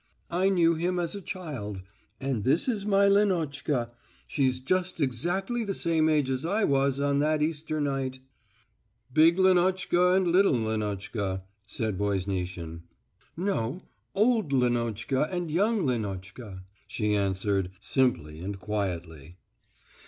I knew him as a child. And this is my Lenotchka. She's just exactly the same age as I was on that Easter night...." "Big Lenotchka and little Lenotchka," said Voznitsin. "No, old Lenotchka and young Lenotchka," she answered, simply and quietly.